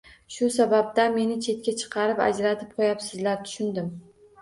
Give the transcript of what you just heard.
Shu sababdan meni chetga chiqarib ajratib qo‘yayapsizlar, tushundim…